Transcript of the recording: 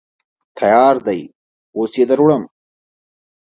_تيار دی، اوس يې دروړم.